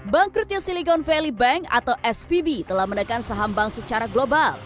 bank perutnya silicon valley bank atau spb telah menekan saham bank secara global